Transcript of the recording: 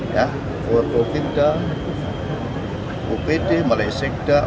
ya kuerpo pinda upd malesek das